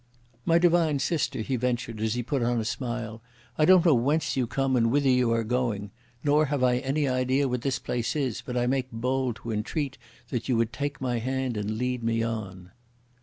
"My divine sister," he ventured, as he put on a smile. "I don't know whence you come, and whither you are going. Nor have I any idea what this place is, but I make bold to entreat that you would take my hand and lead me on."